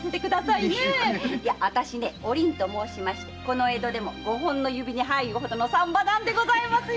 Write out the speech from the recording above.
いやあたしお凛と申しましてこの江戸でも五本の指に入る産婆なんでございますよ！